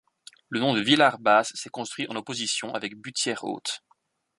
Le nom de Villar-Basse s'est construit en opposition avec Butière-Haute.